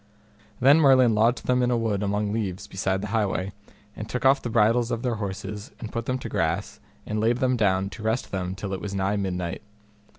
Then Merlin lodged them in a wood among leaves beside the highway, and took off the bridles of their horses and put them to grass and laid them down to rest them till it was nigh midnight.